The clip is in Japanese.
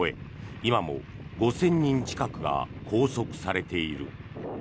今も５０００人近くが拘束されている。